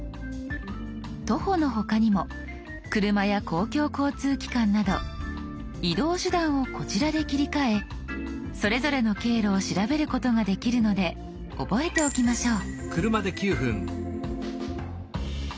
徒歩の他にも車や公共交通機関など移動手段をこちらで切り替えそれぞれの経路を調べることができるので覚えておきましょう。